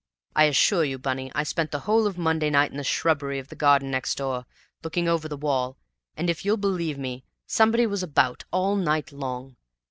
"I assure you, Bunny, I spent the whole of Monday night in the shrubbery of the garden next door, looking over the wall, and, if you'll believe me, somebody was about all night long!